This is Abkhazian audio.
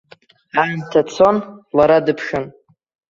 Аамҭа цон, лара дыԥшын.